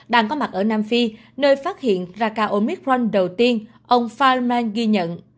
đang có mặt ở nam phi nơi phát hiện raka omicron đầu tiên ông fireman ghi nhận